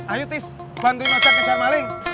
ayo tis bantuin masa kejar maling